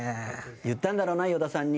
言ったんだろうな、与田さんに。